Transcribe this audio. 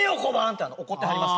って怒ってはりました。